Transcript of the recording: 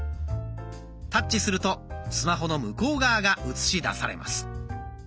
タッチするとスマホの向こう側が映し出されます。